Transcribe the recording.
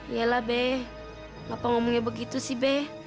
yelah be kenapa ngomongnya begitu sih be